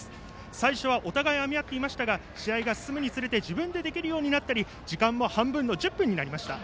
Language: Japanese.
最初はお互いに編みあっていましたが試合が進むにつれて自分でできるようになったり時間は半分の１０分になりました。